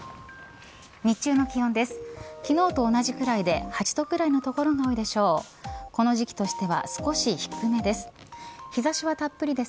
日中の気温です。